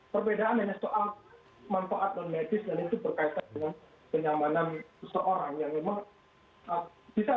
perbedaan hanya soal manfaat dan medis dan itu berkaitan dengan kenyamanan seseorang